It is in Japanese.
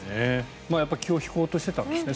やっぱり気を引こうとしていたんですね。